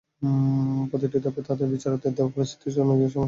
প্রতিটি ধাপেই তাঁদের বিচারকদের দেওয়া পরিস্থিতি অনুযায়ী সমস্যা সমাধান করতে হয়েছে।